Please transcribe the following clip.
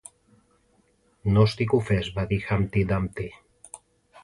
"No estic ofès", va dir Humpty Dumpty.